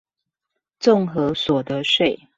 綜合所得稅